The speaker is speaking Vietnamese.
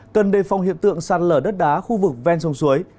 cần đề phong hiện tượng sàn lở đất đá khu vực ven sông suối